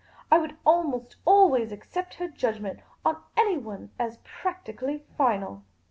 I would almost always accept her judgment on anyone as practically final."